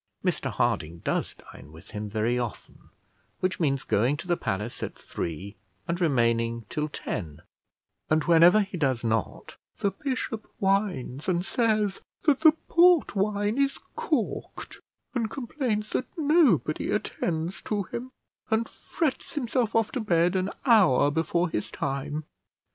Mr Harding does dine with him very often, which means going to the palace at three and remaining till ten; and whenever he does not the bishop whines, and says that the port wine is corked, and complains that nobody attends to him, and frets himself off to bed an hour before his time.